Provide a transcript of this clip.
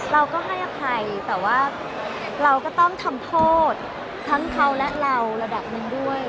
เราก็ให้อภัยแต่ว่าเราก็ต้องทำโทษทั้งเขาและเราระดับหนึ่งด้วย